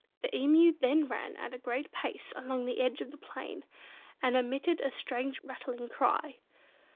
The Emu then ran at a great pace along the edge of the plain, and emitted a strange rattling cry.